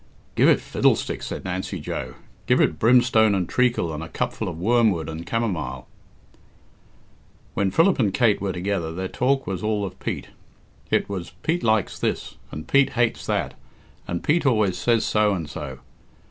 "Give it fiddlesticks," said Nancy Joe. "Give it brimstone and treacle and a cupful of wormwood and camomile." When Philip and Kate were together, their talk was all of Pete. It was "Pete likes this," and "Pete hates that," and "Pete always says so and so."